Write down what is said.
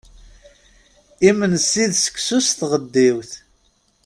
Imensi d seksu s tɣeddiwt.